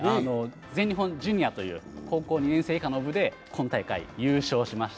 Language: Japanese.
全日本ジュニアという高校２年生以下の部で、今大会優勝しました。